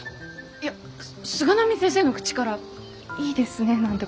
いや菅波先生の口からいいですねなんて